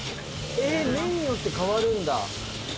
メニューによって変わるんだ。